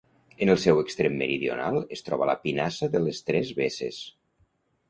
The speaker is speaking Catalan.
En el seu extrem meridional es troba la Pinassa de les Tres Besses.